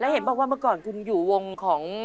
เห็นบอกว่าเมื่อก่อนคุณอยู่วงของ